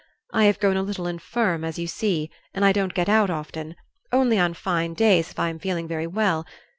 I have grown a little infirm, as you see, and I don't get out often; only on fine days, if I am feeling very well.